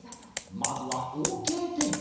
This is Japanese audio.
まずはＯＫテイク